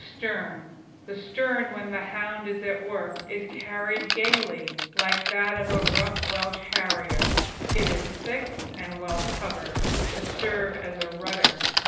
STERN The stern when the hound is at work is carried gaily, like that of a rough Welsh Harrier. It is thick and well covered, to serve as a rudder.